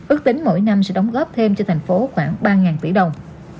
ước tính mỗi năm sẽ đóng góp thêm cho tp hcm khoảng ba tỷ đồng